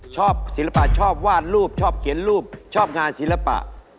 ศิลปะชอบวาดรูปชอบเขียนรูปชอบงานศิลปะ